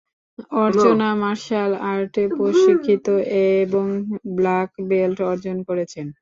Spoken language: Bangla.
অর্চনা মার্শাল আর্টে প্রশিক্ষিত এবং ব্লাক বেল্ট অর্জন করেছেন।